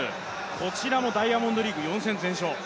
こちらもダイヤモンドリーグ４戦全勝。